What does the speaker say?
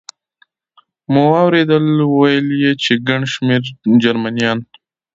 مو واورېدل، ویل یې چې ګڼ شمېر جرمنیان.